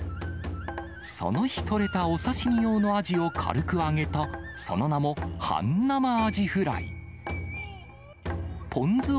その日取れたお刺身用のアジを軽く揚げた、その名も半生アジフライ。